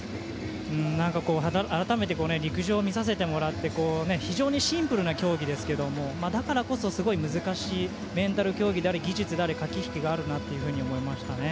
何かこう改めて陸上を見させてもらって非常にシンプルな競技ですけどもだからこそ難しいメンタル競技であり技術であり駆け引きがあるなというふうに思いましたね。